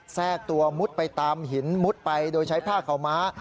แทรกตัวมุดไปตามหินมุดไปโดยใช้ผ้าขาวม้า